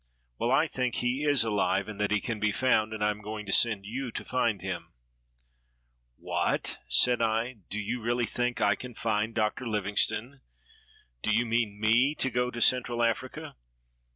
"Well, I think he is alive, and that he can be found, and I am going to send you to find him." 393 WESTERN AND CENTRAL AFRICA "What!" said I; "do you really think I can find Dr. Livingstone? Do you mean me to go to Central Africa?"